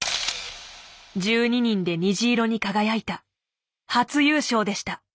１２人で虹色に輝いた初優勝でした。